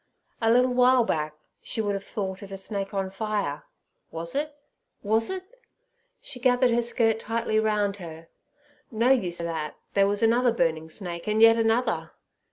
A little while back and she would have thought it a snake on fire. Was it? was it? She gathered her skirt tightly round her. No use that, for there was another burning snake and yet another.